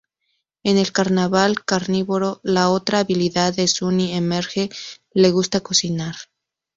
En El carnaval carnívoro la otra habilidad de Sunny emerge; le gusta cocinar.